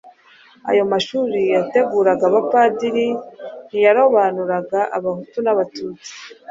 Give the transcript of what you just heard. Ayo mashuri yateguraga abapadiri ntiyarobanuraga Abahutu n'Abatutsi